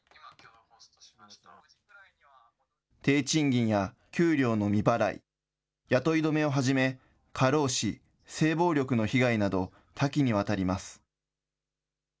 低賃金や給料の未払い、雇い止めをはじめ、過労死、性暴力の被害など、多岐に渡ります。